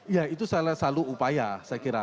ya itu selalu upaya saya kira